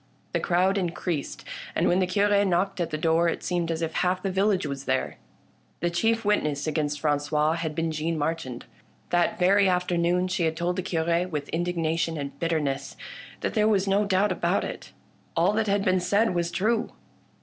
The crowd increased, and when the Cure knocked at the door it seemed as if half the village was there. The chief witness against FranQois had been Jeanne Marchand. That very afternoon she had told the Cure, 146 THE LANE THAT HAD NO TURNING with indignation and bitterness, that there was no doubt about it ; all that had been said was true.